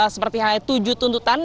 seperti halnya tujuh tuntutan